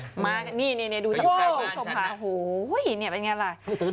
โอ้โหนี่เป็นยังไงล่ะ